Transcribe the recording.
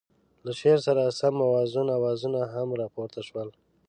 له شعر سره سم موزون اوازونه هم را پورته شول.